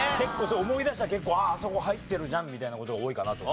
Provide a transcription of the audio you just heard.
思い出したら結構あああそこ入ってるじゃんみたいな事多いかなと。